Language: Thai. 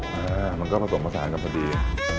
มันก็ผสมผสานกับพอดี